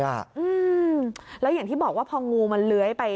อืมแล้วอย่างที่บอกว่าพองูมันเลื้อยไป